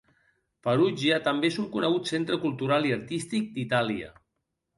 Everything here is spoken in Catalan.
Perugia també és un conegut centre cultural i artístic d'Itàlia.